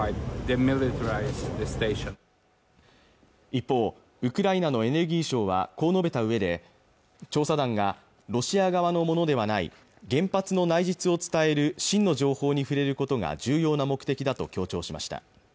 一方ウクライナのエネルギー相はこう述べた上で調査団がロシア側のものではない原発の内実を伝える真の情報に触れることが重要な目的だと強調しました